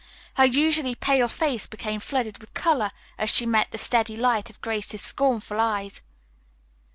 Her usually pale face became flooded with color as she met the steady light of Grace's scornful eyes.